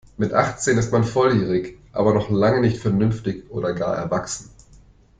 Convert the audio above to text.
Mit achtzehn ist man volljährig aber noch lange nicht vernünftig oder gar erwachsen.